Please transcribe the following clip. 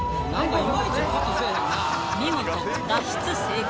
見事、脱出成功。